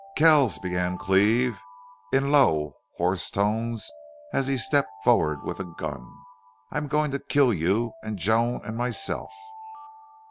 "Kells," began Cleve, in low, hoarse tones, as he stepped forward with a gun. "I'm going to kill you and Joan and myself!"